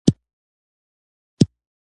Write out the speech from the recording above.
غر که لوړ دی پر سر یې لار ده